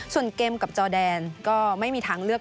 ส่วนเกมกับจอแดนก็ไม่มีทางเลือก